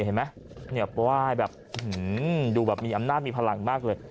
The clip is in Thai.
เห็นไหมเนี่ยป้ายแบบดูแบบมีอำนาจมีพลังมากเลย